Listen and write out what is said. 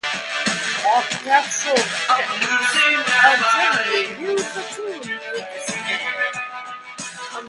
Architectural critics have generally viewed the tomb with dismay.